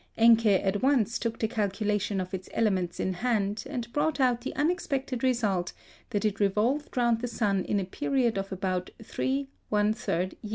Encke at once took the calculation of its elements in hand, and brought out the unexpected result that it revolved round the sun in a period of about 3 1/3 years.